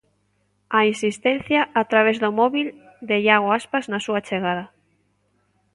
A insistencia, a través do móbil, de Iago Aspas na súa chegada.